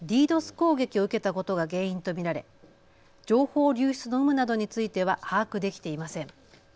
攻撃を受けたことが原因と見られ情報流出の有無などについては把握できていません。